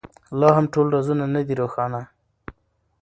لا هم ټول رازونه نه دي روښانه.